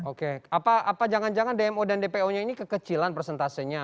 oke apa jangan jangan dmo dan dpo nya ini kekecilan persentasenya